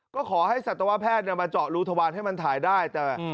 ก็ขอให้สัตวแพทย์มาเจาะรูทวารให้มันถ่ายได้แต่